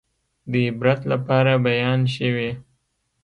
د عبرت لپاره بیان شوي.